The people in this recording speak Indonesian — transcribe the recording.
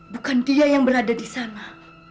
bukan dia yang berada di sana